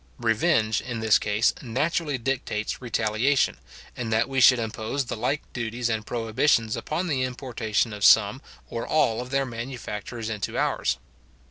Revenge, in this case, naturally dictates retaliation, and that we should impose the like duties and prohibitions upon the importation of some or all of their manufactures into ours.